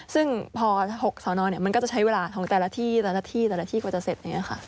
ซึ่งพอ๖สอนอมันก็จะใช้เวลาของแต่ละที่แต่ละที่แต่ละที่กว่าจะเสร็จ